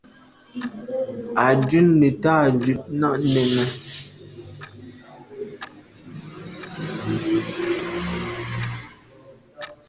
À dun neta dut nà nène.